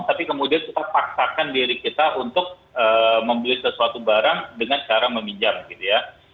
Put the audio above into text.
tapi kemudian kita paksakan diri kita untuk membeli sesuatu barang dengan cara meminjam gitu ya